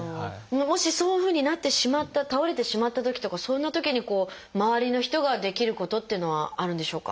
もしそういうふうになってしまった倒れてしまったときとかそんなときに周りの人ができることっていうのはあるんでしょうか？